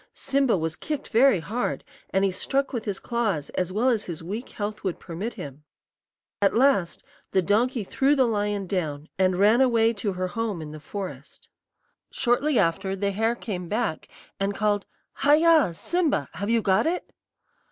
Simba was kicked very hard, and he struck with his claws as well as his weak health would permit him. At last the donkey threw the lion down, and ran away to her home in the forest. "Shortly after, the hare came back, and called, 'Haya! Simba! have you got it?'